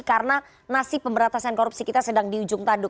karena nasib pemberantasan korupsi kita sedang di ujung tanduk